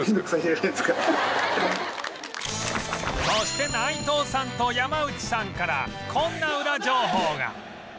そして内藤さんと山内さんからこんなウラ情報が